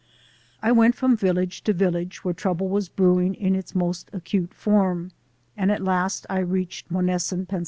I went from village to village where trouble was brewing in its most acute form, and at last I reached Monessen, Penn.